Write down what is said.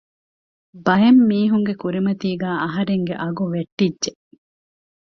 ބައެއް މީހުންގެ ކުރިމަތީގައި އަހަރެންގެ އަގު ވެއްޓިއްޖެ